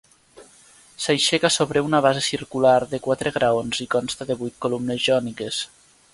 S'aixeca sobre una base circular de quatre graons i consta de vuit columnes jòniques.